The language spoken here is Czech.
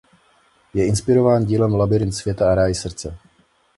Je inspirován dílem Labyrint světa a ráj srdce.